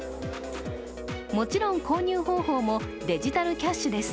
もちろん購入方法もデジタルキャッシュです。